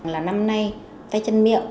là năm nay tay chân miệng